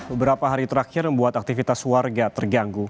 beberapa hari terakhir membuat aktivitas warga terganggu